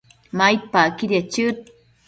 maidpacquidiec chëd